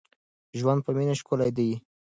ژوند په مینه ښکلی دی.